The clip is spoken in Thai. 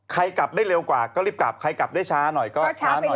กลับได้เร็วกว่าก็รีบกลับใครกลับได้ช้าหน่อยก็ช้าหน่อย